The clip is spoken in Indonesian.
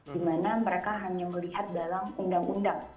di mana mereka hanya melihat dalam undang undang